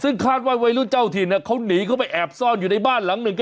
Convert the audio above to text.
ซึ่งคาดว่าวัยรุ่นเจ้าถิ่นเขาหนีเข้าไปแอบซ่อนอยู่ในบ้านหลังหนึ่ง